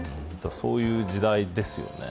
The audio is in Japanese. そういう時代ですよね。